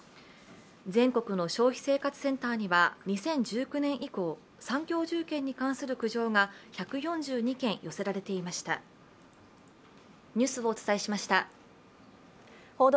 全国の消費生活センターには２０１９年以降、三共住建に関する苦情が１４２件寄せられていました。